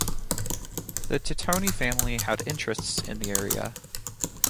The Tittoni family had interests in the area.